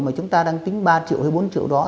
mà chúng ta đang tính ba triệu hay bốn triệu đó